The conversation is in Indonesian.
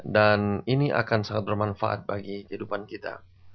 dan ini akan sangat bermanfaat bagi kehidupan kita